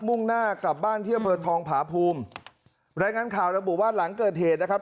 มุ่งหน้ากลับบ้านที่อำเภอทองผาภูมิรายงานข่าวระบุว่าหลังเกิดเหตุนะครับ